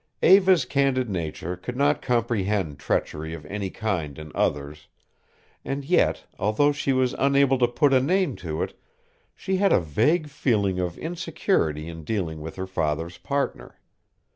Eva's candid nature could not comprehend treachery of any kind in others, and yet, although she was unable to put a name to it, she had a vague feeling of insecurity in dealing with her father's partner.